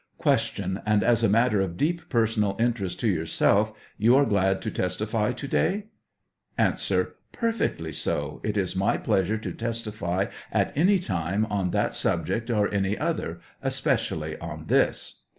Q. And as a matter of deep personal interest to yourself, you are glad to testify to day ? A. Perfectly so ; it is my pleasure to testify at any time on that subject or any other, especially on this.